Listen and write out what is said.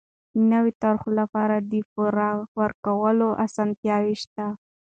د نويو طرحو لپاره د پور ورکولو اسانتیاوې شته.